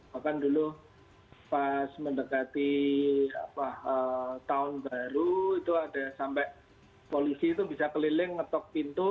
bahkan dulu pas mendekati tahun baru itu ada sampai polisi itu bisa keliling ngetok pintu